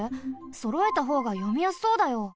そろえたほうがよみやすそうだよ。